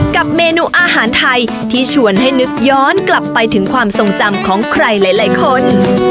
กับเมนูอาหารไทยที่ชวนให้นึกย้อนกลับไปถึงความทรงจำของใครหลายคน